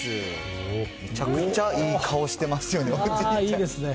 むちゃくちゃいい顔してますよね、いいですね。